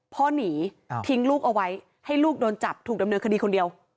พ่อหนีทิ้งลูกเอาไว้ให้ลูกโดนจับถูกดำเนินคดีคนเดียว